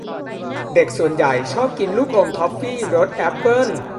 เด็กส่วนใหญ่ชอบกินลูกอมทอฟฟี่รสแอปเปิ้ล